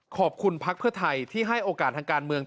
ขอบคุณพักเพื่อไทยที่ให้โอกาสทางการเมือง